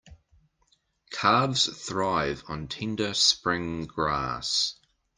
Calves thrive on tender spring grass.